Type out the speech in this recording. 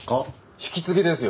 引き継ぎですよ。